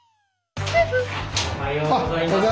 おはようございます。